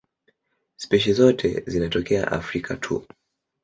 Spishi zote zinatokea Afrika tu.